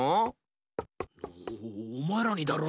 おおまえらにだろ。